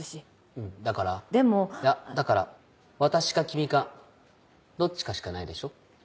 いやだから私か君かどっちかしかないでしょ？